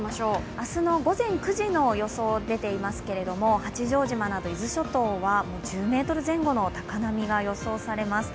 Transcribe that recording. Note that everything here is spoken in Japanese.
明日の午前９時の予想が出ていますけれども、八丈島など伊豆諸島は１０ｍ前後の高波が予想されます。